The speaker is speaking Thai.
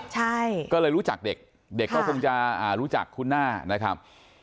ใช่ก็เลยรู้จักเด็กเด็กก็คงจะรู้จักคุ้นหน้านะครับ